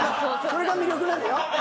それが魅力なんだよ。